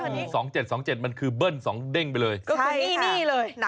๒๗๒๗มันคือเบิ้ลสองเด้งไปเลย